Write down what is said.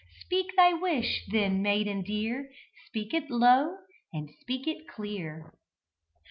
Speak thy wish, then, maiden dear: Speak it low and speak it clear."